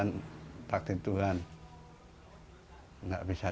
enak sebenarnya cukup kalau buat makan kalau bisa